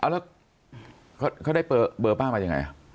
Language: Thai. อ๋อแล้วเขาได้เบอร์ป้ามาอย่างไร